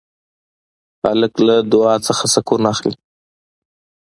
هلک له دعا نه سکون اخلي.